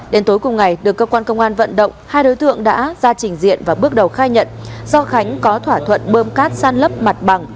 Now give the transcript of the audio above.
đến tối cùng ngày được cơ quan công an vận động hai đối tượng đã ra trình diện và bước đầu khai nhận do khánh có thỏa thuận bơm cát săn lấp mặt bằng